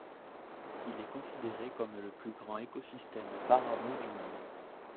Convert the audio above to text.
Il est considéré comme le plus grand écosystème paramo du monde.